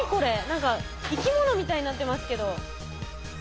何か生き物みたいになってますけど。